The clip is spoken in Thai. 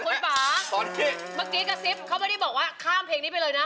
คุณป่าเมื่อกี้กระซิบเขาไม่ได้บอกว่าข้ามเพลงนี้ไปเลยนะ